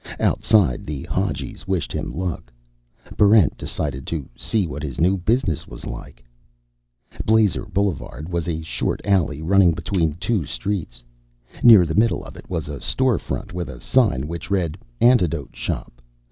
Outside, the Hadjis wished him luck. Barrent decided to see what his new business was like. Blazer Boulevard was a short alley running between two streets. Near the middle of it was a store front with a sign which read: ANTIDOTE SHOP.